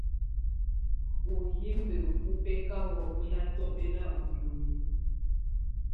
Uhimbǝ́ wɔ́ bɛ́káhɔ wɔ́ ná tɔmbɛ́na ú nìóni.